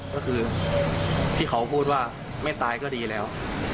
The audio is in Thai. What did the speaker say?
ก็คือที่เขาพูดว่าไม่ตายก็ดีแล้ว